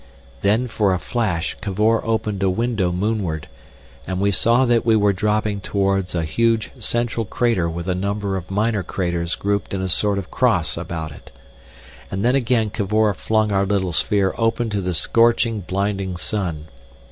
Then for a flash Cavor opened a window moonward, and we saw that we were dropping towards a huge central crater with a number of minor craters grouped in a sort of cross about it. And then again Cavor flung our little sphere open to the scorching, blinding sun.